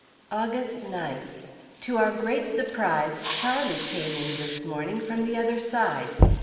August 9th. To our great surprise, Charlie came in this morning from the other side.